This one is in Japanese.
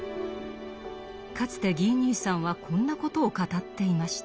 かつてギー兄さんはこんなことを語っていました。